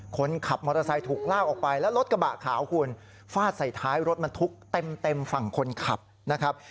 คนขับมอเตอร์ไซค์ถูกลากออกไปแล้วรถกระบะขาวคุณฟาดใส่ท้ายรถบรรทุกเต็มฝั่งคนขับนะครับ